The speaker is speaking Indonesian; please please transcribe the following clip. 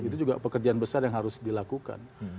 itu juga pekerjaan besar yang harus dilakukan